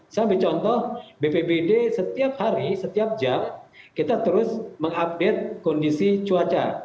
saya ambil contoh bpbd setiap hari setiap jam kita terus mengupdate kondisi cuaca